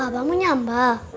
bapak mau nyambal